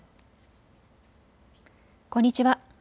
こんにちは。